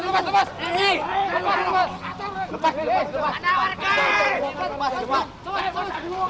mereka kemudian dibawa ke rumah warga